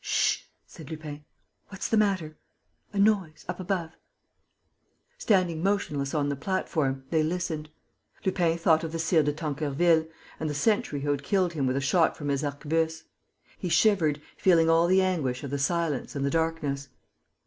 "Ssh!" said Lupin. "What's the matter?" "A noise ... up above...." Standing motionless on the platform, they listened. Lupin thought of the Sire de Tancarville and the sentry who had killed him with a shot from his harquebus. He shivered, feeling all the anguish of the silence and the darkness.